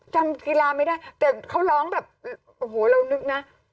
จำกีฬาไม่ได้แต่เขาร้องแบบโอ้โหเรานึกนะ